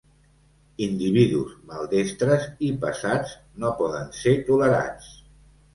Individus maldestres i pesats no poden ser tolerats.